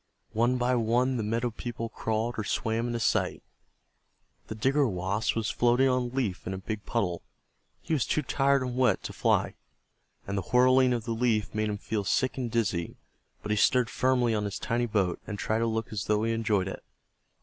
One by one the meadow people crawled or swam into sight. The Digger Wasp was floating on a leaf in a big puddle. He was too tired and wet to fly, and the whirling of the leaf made him feel sick and dizzy, but he stood firmly on his tiny boat and tried to look as though he enjoyed it.